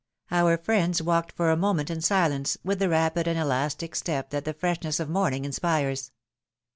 Our friends walked for a moment in silence, with the rapid and elastic step that the freshness of morning inspires.